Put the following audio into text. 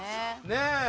ねえ。